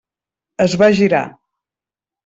Es va girar.